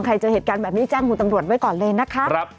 เจอเหตุการณ์แบบนี้แจ้งคุณตำรวจไว้ก่อนเลยนะคะ